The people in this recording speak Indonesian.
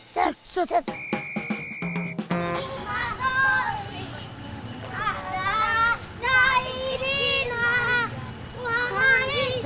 sup sup sup